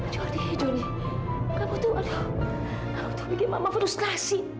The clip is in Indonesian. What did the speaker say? jody jody kamu tuh aduh kamu tuh bikin mama frustrasi